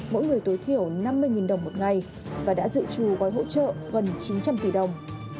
mỗi người tối thiểu năm mươi đồng một ngày và đã dự trù gói hỗ trợ gần chín trăm linh tỷ đồng